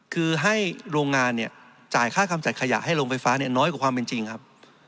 คือให้โรงงานเนี่ยจ่ายค่ากำจัดขยะให้โรงไฟฟ้าน้อยกว่าความเป็นจริงครับ